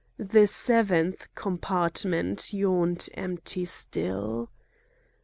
The seventh compartment yawned empty still.